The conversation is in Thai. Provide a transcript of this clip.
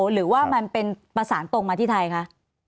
หรือว่ามันเป็นประสานตรงมาที่ไทยคะ